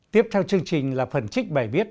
tiếp theo chương trình là phần trích bài viết